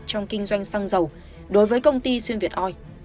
trong kinh doanh xăng dầu đối với công ty xuyên việt oi